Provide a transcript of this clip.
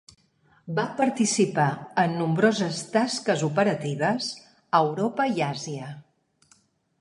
Va participar en nombroses tasques operatives a Europa i Àsia.